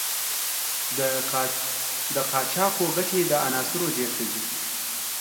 د قاچاقو ګټې د عناصرو جېب ته ځي.